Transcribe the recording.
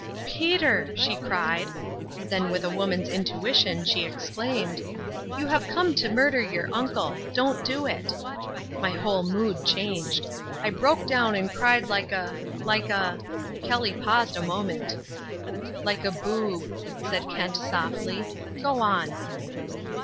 'Peter!' she cried, then with a woman's intuition she exclaimed, 'You have come to murder your uncle. Don't do it.' My whole mood changed. I broke down and cried like a like a " Kelly paused a moment. "Like a boob," said Kent softly. "Go on."